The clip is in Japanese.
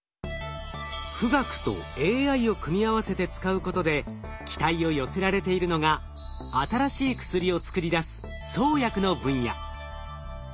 富岳とＡＩを組み合わせて使うことで期待を寄せられているのが新しい薬を作り出す創薬の分野。